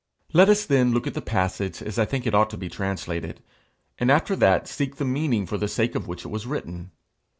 Let us then look at the passage as I think it ought to be translated, and after that, seek the meaning for the sake of which it was written.